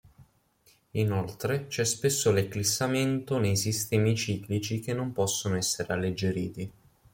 Inoltre, c'è spesso l'eclissamento nei sistemi ciclici che non possono essere alleggeriti.